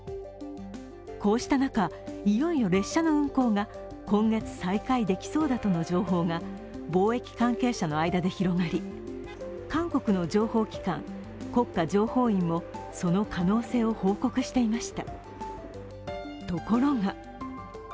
こうした中、いよいよ列車の運行が今月再開できそうだとの情報が貿易関係者の間で広がり、韓国の情報機関、国家情報院もその可能性を報告していました。